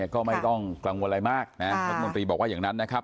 ก็ไม่ต้องกังวลอะไรมากนะรัฐมนตรีบอกว่าอย่างนั้นนะครับ